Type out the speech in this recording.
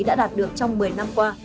đã đạt được trong một mươi năm qua